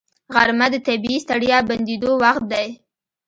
غرمه د طبیعي ستړیا بندېدو وخت دی